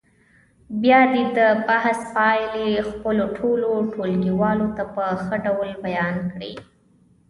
بیا دې د بحث پایلې خپلو ټولو ټولګیوالو ته په ښه ډول بیان کړي.